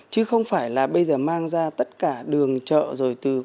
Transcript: chứ không phải là bây giờ mang ra tất cả đường chợ rồi từ quảng bá